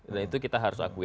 dan itu kita harus akui